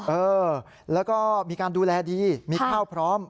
เออแล้วก็มีการดูแลดีมีข้าวพร้อม